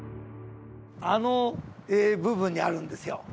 あの部分にあるんですよ。